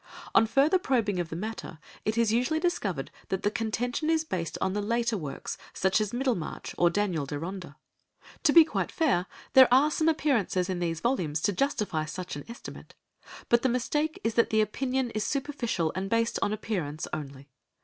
On further probing of the matter, it is usually discovered that the contention is based on the later works, such as Middlemarch or Daniel Deronda. To be quite fair, there are some appearances in these volumes to justify such an estimate, but the mistake is that the opinion is superficial and based on appearance only.